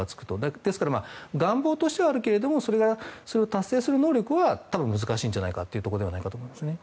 ですから、願望としてはあるけれどもそれを達成するのは多分、難しいんじゃないかというところだと思いますね。